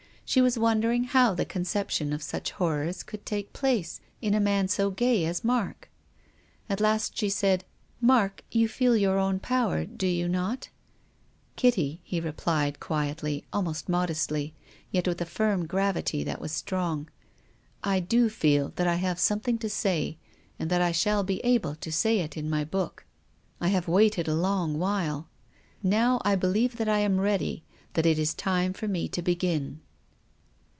She was wondering how the conception of such horrors could take place in a man so gay as Mark. At last she said, " Mark, you feel your own power, do you not ?"" Kitty," he replied quietly, almost modestly, yet with a firm gravity that was strong, " I do feel that I have something to say and that I shall be able to say it in my book. I have waited a long while. Now I believe that I am ready, that it is time for me to begin."